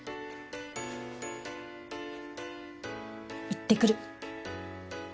行ってくる。